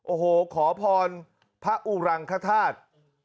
โอ้โหขอพรพระอุรังคธาตุ